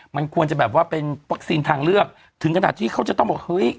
มันควรจะแบบว่าเป็นวัคซีนทางเลือกถึงขนาดที่เขาจะต้องบอกเฮ้ย